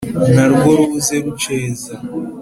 narwo ruze ruceza